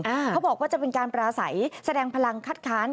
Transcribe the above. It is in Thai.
เขาบอกว่าจะเป็นการปราศัยแสดงพลังคัดค้าน